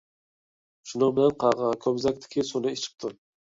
شۇنىڭ بىلەن قاغا كومزەكتىكى سۇنى ئىچىپتۇ.